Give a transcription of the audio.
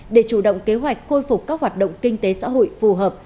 để chủ động kế hoạch khôi phục các hoạt động kinh tế xã hội phù hợp